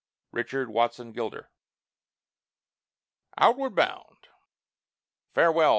RICHARD WATSON GILDER. OUTWARD BOUND Farewell!